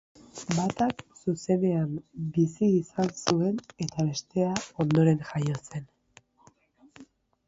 Batak zuzenean bizi izan zuen eta bestea ondoren jaio zen.